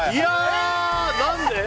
何で？